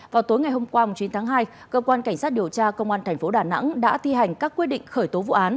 vào tối ngày hôm qua chín tháng hai cơ quan cảnh sát điều tra công an tp đà nẵng đã thi hành các quyết định khởi tố vụ án